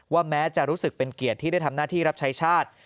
แม้จะรู้สึกเป็นเกียรติที่ได้ทำหน้าที่รับใช้ชาติ